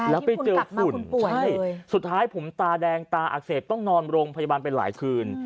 แล้วไปเจอฝุ่นสุดท้ายผมตาแดงตาอักเสบต้องนอนโรงพยาบาลไปหลายคืน